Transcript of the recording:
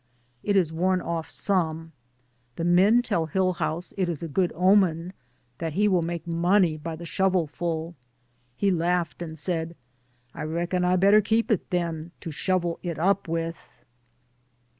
It is worn off some. The men tell Hillhouse it is a good omen, that he will make money by the shovelful. He laughed, and said : 'T reckon I'd better keep it, then, to shovel it up with."